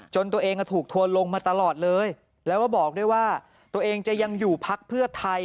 ตัวเองถูกทัวร์ลงมาตลอดเลยแล้วก็บอกด้วยว่าตัวเองจะยังอยู่พักเพื่อไทย